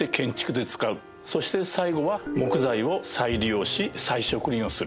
そして最後は木材を再利用し再植林をする。